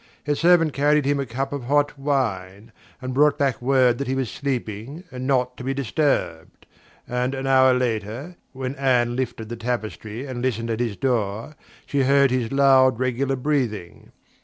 His servant carried him a cup of hot wine, and brought back word that he was sleeping and not to be disturbed; and an hour later, when Anne lifted the tapestry and listened at his door, she heard his loud regular breathing.